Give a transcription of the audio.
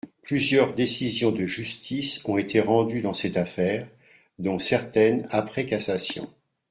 Plusieurs décisions de justice ont été rendues dans cette affaire, dont certaines après cassation.